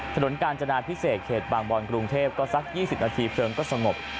ถนนกาญจนาพิเศษเขตบางบอนกรุงเทพก็สัก๒๐นาทีเพลิงก็สงบ